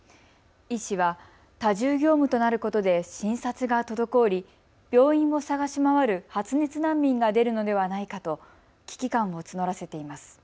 医師は多重業務となることで診察が滞り病院を探し回る発熱難民が出るのではないかと危機感を募らせています。